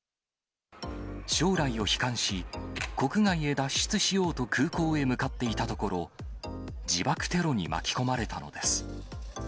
将来を悲観し、国外へ脱出しようと空港へ向かっていたところ、自爆テロに巻き込まれたのです。